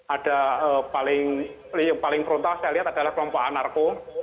ada yang paling frontal saya lihat adalah kelompok anarko